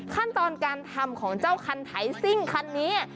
ขั้นตอนการทำของเจ้าคันไทซิ่งคันนี้